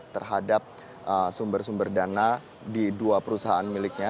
terhadap sumber sumber dana di dua perusahaan miliknya